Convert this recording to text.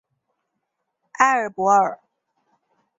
埃尔博尔。